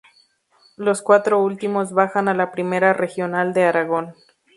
Los cuatro últimos bajan a la Primera Regional de Aragón.